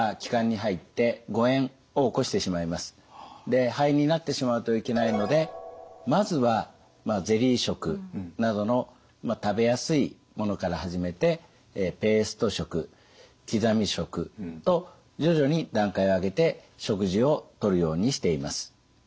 で肺炎になってしまうといけないのでまずはゼリー食などの食べやすいものから始めてペースト食刻み食と徐々に段階を上げて食事をとるようにしています。